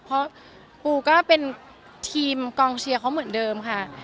เพราะปูก็เป็นทีมกองเชียร์เขาเหมือนเดิมค่ะ